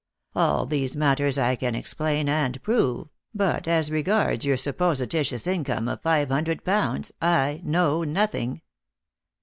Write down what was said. All these matters I can explain and prove, but as regards your supposititious income of five hundred pounds, I know nothing.